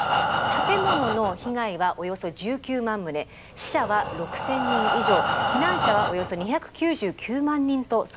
建物の被害はおよそ１９万棟死者は６，０００人以上避難者はおよそ２９９万人と想定されています。